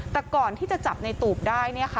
แต่ก่อนที่จะจับในตูบได้